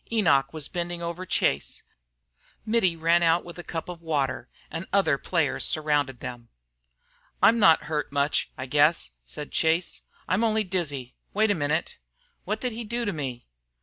Enoch was bending over Chase. Mittie ran out with a cup of water, and other players surrounded them. "I'm not hurt much, I guess," said Chase. "I'm only dizzy. Wait a minute. What did he do to me?"